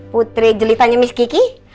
putri jelitanya miss kiki